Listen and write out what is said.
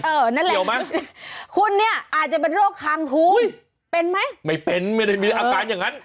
นั่นแหละเกี่ยวไหมคุณเนี่ยอาจจะเป็นโรคคางหูยเป็นไหมไม่เป็นไม่ได้มีอาการอย่างนั้น